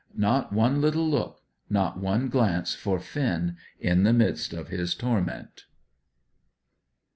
Not one little look; not one glance for Finn in the midst of his torment!